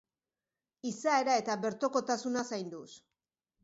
Izaera eta bertokotasuna zainduz.